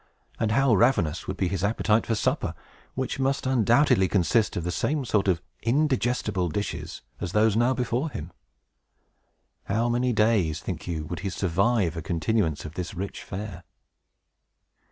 And how ravenous would be his appetite for supper, which must undoubtedly consist of the same sort of indigestible dishes as those now before him! How many days, think you, would he survive a continuance of this rich fare?